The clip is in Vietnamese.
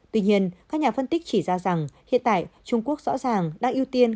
tuy nhiên các nhà phân tích chỉ ra rằng hiện tại trung quốc rõ ràng đang ưu tiên